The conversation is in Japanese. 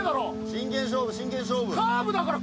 真剣勝負真剣勝負。